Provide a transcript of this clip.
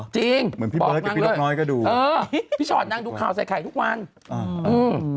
จริงเหรอจริงบอกนางเลยพี่ชอบนางดูข่าวใส่ไข่ทุกวันอืม